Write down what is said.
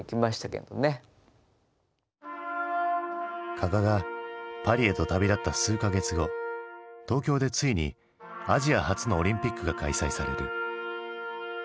加賀がパリへと旅立った数か月後東京でついにアジア初のオリンピックが開催される。